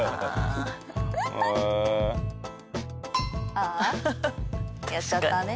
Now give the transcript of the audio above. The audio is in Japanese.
ああやっちゃったね。